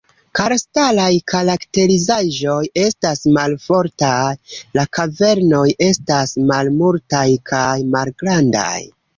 Karstaj karakterizaĵoj estas malfortaj, la kavernoj estas malmultaj kaj malgrandaj.